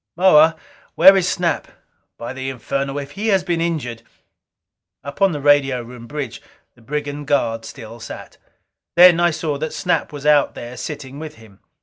"Moa, where is Snap? By the infernal if he has been injured " Up on the radio room bridge, the brigand guard still sat. Then I saw that Snap was out there sitting with him.